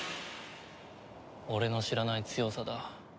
俺の知らない強さだ。